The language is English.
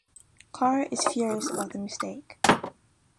Carr is furious about the mistake.